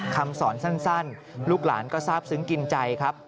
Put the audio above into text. คำสอนสั้นลูกหลานก็ทราบซึ้งกินใจครับ